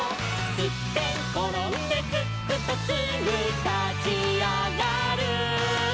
「すってんころんですっくとすぐたちあがる」